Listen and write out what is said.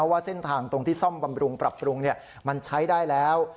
ว่าเส้นทางตรงที่ซ่อมบำรุงปรับปรุงมันใช้ได้แล้ว